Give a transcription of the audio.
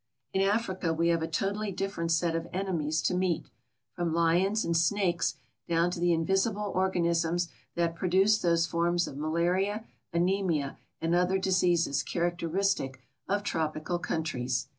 In Africa we have a totally different set of enemies to meet, from lions and snakes down to the invisible organisms that produce those forms of malaria, anaemia, and other diseases characteristic of tropical countries.